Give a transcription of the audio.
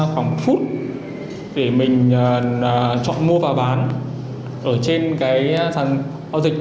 khoảng phút để mình chọn mua và bán ở trên cái sàn giao dịch